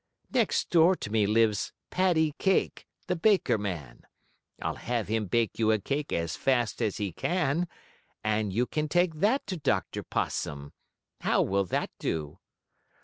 Next door to me lives Paddy Kake, the baker man. I'll have him bake you a cake as fast as he can, and you can take that to Dr. Possum. How will that do?"